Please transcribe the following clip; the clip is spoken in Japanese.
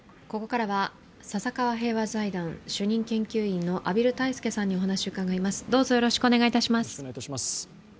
ここからは笹川平和財団主任研究員の畔蒜泰助さんにお話を伺います。